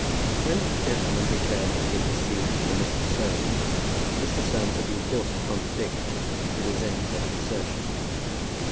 When that gentleman declared that he had received it from Mr. Soames, Mr. Soames had been forced to contradict and to resent such an assertion.